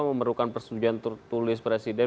memerlukan persetujuan tulis presiden